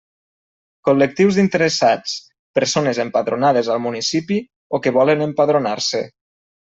Col·lectius d'interessats: persones empadronades al municipi o que volen empadronar-se.